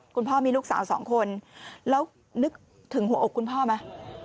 คุณพ่อมีลูกสาวสองคนแล้วนึกถึงหัวอกคุณพ่อไหม